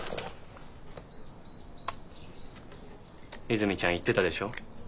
泉ちゃん言ってたでしょ。